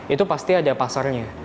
itu pasti ada pasarnya